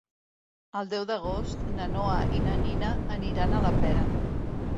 El deu d'agost na Noa i na Nina aniran a la Pera.